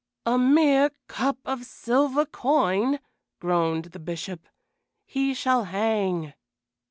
"A mere cup of silver coin!" groaned the Bishop. "He shall hang."